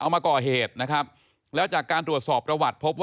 เอามาก่อเหตุนะครับ